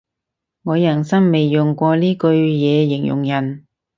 我人生未用過呢句嘢形容人